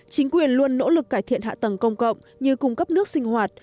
chính quyền luôn nỗ lực cải thiện hạ tầng công cộng như cung cấp nước sinh hoạt